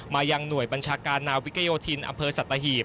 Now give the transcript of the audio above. มายังหน่วยบรรชาการนาวิกยโยธินอำเภอสัตว์ตะหิบ